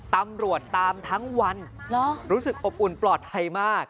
ตำรวจตามทั้งวันรู้สึกอบอุ่นปลอดภัยมาก